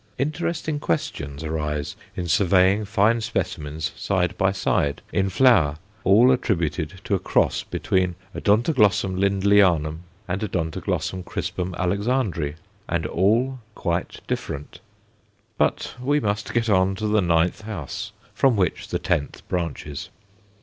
Interesting questions arise in surveying fine specimens side by side, in flower, all attributed to a cross between Odontoglossum Lindleyanum and Odontoglossum crispum Alexandræ, and all quite different. But we must get on to the ninth house, from which the tenth branches.